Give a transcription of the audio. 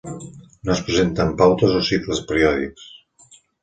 No es presenten pautes o cicles periòdics.